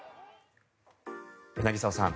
柳澤さん